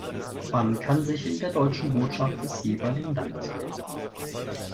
Man kann sich in der deutschen Botschaft des jeweiligen Landes melden.